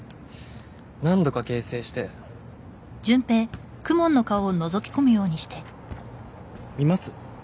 何度か形成して見ます？